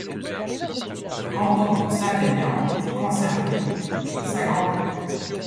Le canton de Saint-Aignan est conservé et s'agrandit.